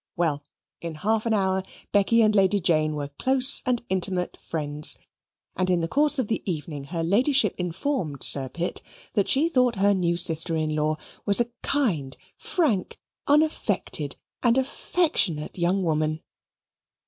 Well in half an hour Becky and Lady Jane were close and intimate friends and in the course of the evening her Ladyship informed Sir Pitt that she thought her new sister in law was a kind, frank, unaffected, and affectionate young woman.